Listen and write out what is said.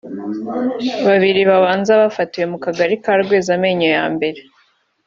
Babiri babanza bafatiwe mu kagari ka Rwezamenyo ya mbere